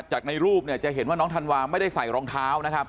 จากในรูปเนี่ยจะเห็นว่าน้องธันวาไม่ได้ใส่รองเท้านะครับ